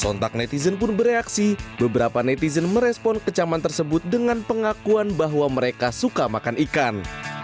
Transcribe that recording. sontak netizen pun bereaksi beberapa netizen merespon kecaman tersebut dengan pengakuan bahwa mereka suka makan ikan